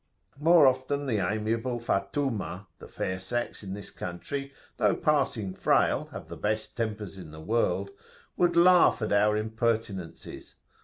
[FN#20] More often the amiable Fattumah the fair sex in this country, though passing frail, have the best tempers in the world would laugh at our impertinences.